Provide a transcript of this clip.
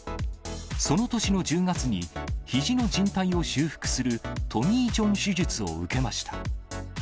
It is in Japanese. その年の１０月に、ひじのじん帯を修復するトミー・ジョン手術を受けました。